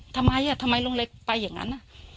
ทำไมทำไมลุงเล็กไปอย่างนั้น